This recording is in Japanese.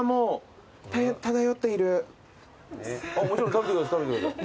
食べてください食べてください。